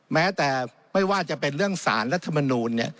แม้แต่ไม่ว่าจะเป็นเรื่องสารรัฐมนูล